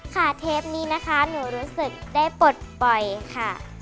เทปนี้นะคะหนูรู้สึกได้ปลดปล่อยค่ะ